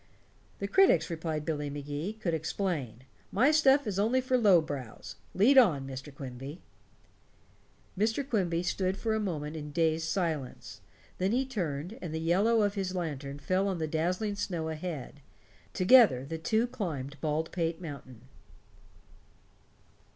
"The critics," replied Billy Magee, "could explain. My stuff is only for low brows. Lead on, Mr. Quimby." Mr. Quimby stood for a moment in dazed silence. Then he turned, and the yellow of his lantern fell on the dazzling snow ahead. Together the two climbed Baldpate Mountain.